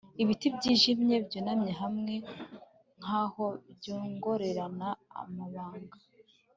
Ibiti byijimye byunamye hamwe nkaho byongorerana amabanga